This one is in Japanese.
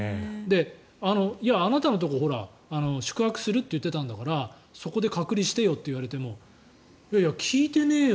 いや、あなたのところ宿泊するって言ってたんだからそこで隔離してよって言われてもいやいや、聞いてねえよ